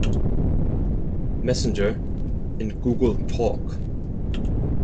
Messenger, and Google Talk.